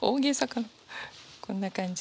こんな感じ。